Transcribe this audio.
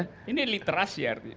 ini literasi artinya